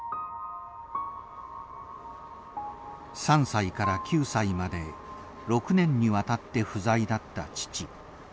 ３歳から９歳まで６年にわたって不在だった父。